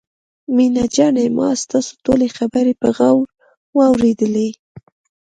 مينه جانې ما ستاسو ټولې خبرې په غور واورېدلې.